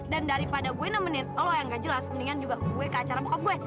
dan daripada gue nemenin elu yang nggak jelas mendingan juga gue ke acara bokap gue